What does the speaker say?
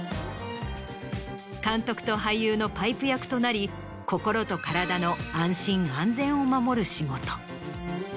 監督と俳優のパイプ役となり心と体の安心安全を守る仕事。